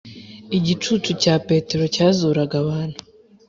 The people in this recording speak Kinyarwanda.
igicucucu cya petero cya zuraga abantu